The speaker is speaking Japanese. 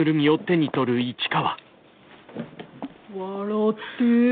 笑って。